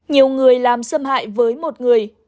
nhiều người làm xâm hại với một người